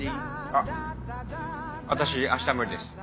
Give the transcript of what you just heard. あっ私明日無理です。